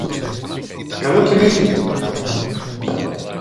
Καλό κυνήγι!